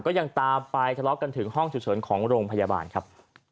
ก็ยังตามไปสะล็อกกันถึงห้องสุดสนของโรงพยาบาลครับ